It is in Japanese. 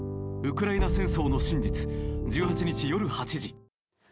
ウクライナ戦争の真実１８日夜８時。